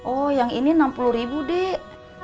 oh yang ini rp enam puluh dek